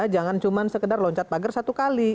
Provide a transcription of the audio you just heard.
jangan cuma sekedar loncat pagar satu kali